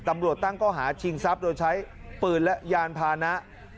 ตำรวจตั้งก้อหาชิงทรัพย์โดยใช้ปืนและยานพานะ